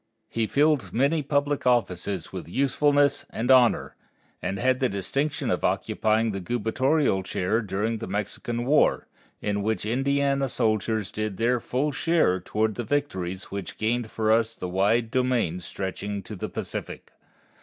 He filled many public offices with usefulness and honor, and had the distinction of occupying the gubernatorial chair during the Mexican War, in which Indiana soldiers did their full share toward the victories which gained for us the wide domain stretching to the Pacific.